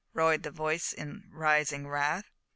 roared the voice in rising wrath.